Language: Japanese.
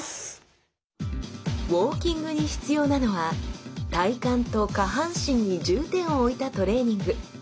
ウォーキングに必要なのは体幹と下半身に重点を置いたトレーニング。